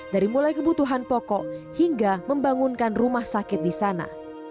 dari mulai kebutuhan pokok hingga membangunkan rumah sakit di sana